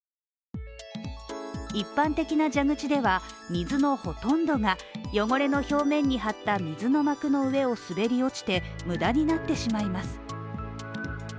一般的な蛇口では水のほとんどが、汚れの表面に張った水の膜の上を滑り落ちて無駄になってしまいます。